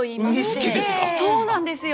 そうなんですよ！